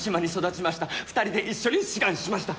２人で一緒に志願しました。